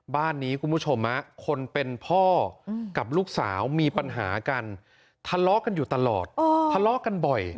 บ้านนี้คุณผู้ชมคนเป็นพ่อกับลูกสาวมีปัญหากันทะเลาะกันอยู่ตลอดทะเลาะกันบ่อย